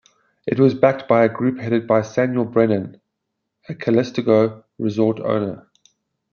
It was backed by a group headed by Samuel Brannan, a Calistoga resort owner.